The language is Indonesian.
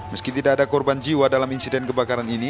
meski tidak ada korban jiwa dalam insiden kebakaran ini